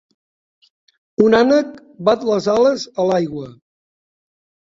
Un ànec bat les ales a l'aigua.